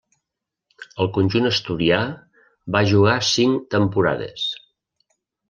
Al conjunt asturià va jugar cinc temporades.